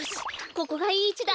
ここがいいいちだ。